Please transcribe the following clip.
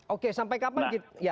oke sampai kapan